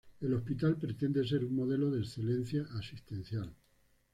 El Hospital pretende ser un modelo de excelencia asistencial.